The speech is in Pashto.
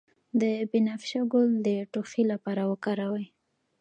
د بنفشه ګل د ټوخي لپاره وکاروئ